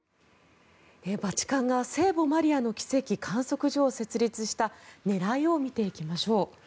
バチカンが聖母マリアの奇跡観測所を設立した狙いを見ていきましょう。